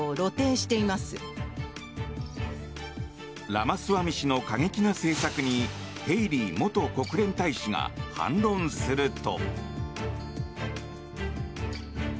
ラマスワミ氏の過激な政策にヘイリー元国連大使が反論すると。